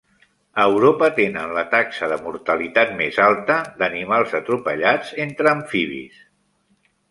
A Europa tenen la taxa de mortalitat més alta d'animals atropellats entre amfibis.